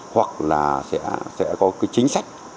hoặc là sẽ có chính sách